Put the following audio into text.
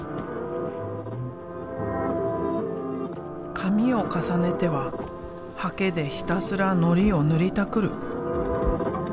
紙を重ねては刷毛でひたすらのりを塗りたくる。